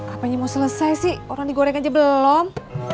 apanya mau selesai sih orang digoreng aja belum